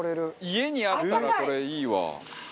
家にあったらこれいいわ。